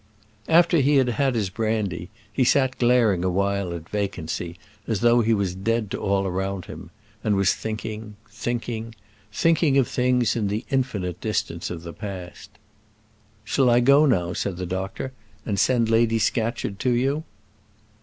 After he had had his brandy, he sat glaring a while at vacancy, as though he was dead to all around him, and was thinking thinking thinking of things in the infinite distance of the past. "Shall I go now," said the doctor, "and send Lady Scatcherd to you?"